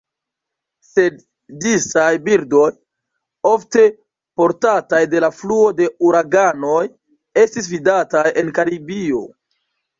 Sed disaj birdoj, ofte portataj de la fluo de uraganoj, estis vidataj en Karibio.